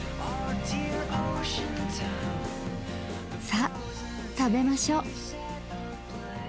さっ食べましょ。